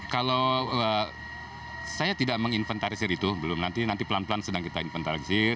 kalau saya tidak menginventarisir itu belum nanti pelan pelan sedang kita inventarisir